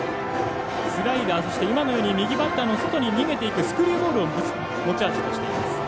スライダー右バッターの外に逃げていくスクリューボールを持ち味としています。